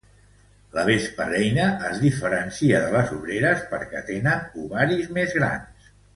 La vespa reina es diferencia de les obreres perquè tenen ovaris més grans.